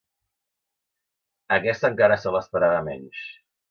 Aquesta encara se l'esperava menys.